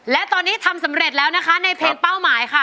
และตอนนี้ทำสำเร็จแล้วนะคะในเพลงเป้าหมายค่ะ